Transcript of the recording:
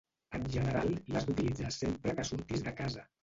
En general, l'has d'utilitzar sempre que surtis de casa.